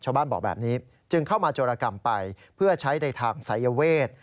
บอกแบบนี้จึงเข้ามาโจรกรรมไปเพื่อใช้ในทางสายเวท